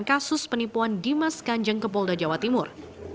kasus penipuan dimas kanjeng ke polda jawa timur